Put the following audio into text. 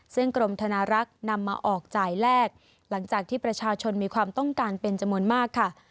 ซึ่งกรมธนารักษ์นำมาออกจ่ายแลกหลังจากที่ประชาชนมีความต้องการเป็นจำนวนมากค่ะ